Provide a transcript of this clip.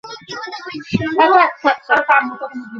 ওরা তার ক্ষতি সাধনের ইচ্ছা করেছিল।